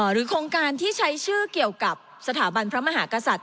โครงการที่ใช้ชื่อเกี่ยวกับสถาบันพระมหากษัตริย